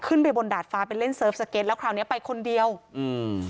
ขึ้นไปบนดาดฟ้าไปเล่นเซิร์ฟสเก็ตแล้วคราวเนี้ยไปคนเดียวอืม